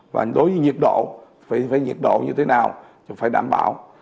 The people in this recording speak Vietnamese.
và đối với nhiệt độ thì phải nhiệt độ như thế nào thì phải đảm bảo